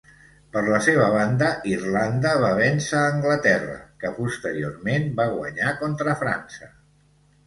Per la seva banda, Irlanda va vèncer a Anglaterra, que posteriorment va guanyar contra França.